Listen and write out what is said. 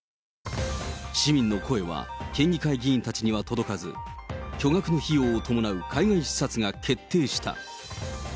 市民の声は県議会議員たちには届かず、巨額の費用を伴う海外視察が決定した。